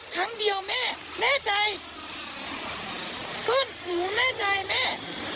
ครั้งเดียวแม่แน่ใจก็หนูแน่ใจแม่